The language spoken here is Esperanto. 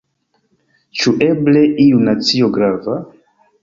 Ĉu eble iu nacio grava?